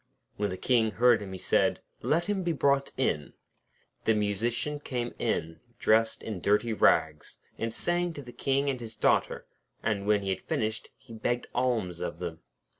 When the King heard him, he said: 'Let him be brought in.' The Musician came in, dressed in dirty rags, and sang to the King and his Daughter, and when he had finished, he begged alms of them.